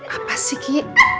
apa sih ki